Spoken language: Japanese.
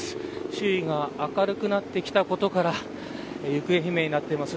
周囲が明るくなってきたことから行方不明になっています